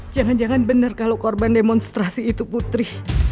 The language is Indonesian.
jangan jangan benar kalau korban demonstrasi itu putri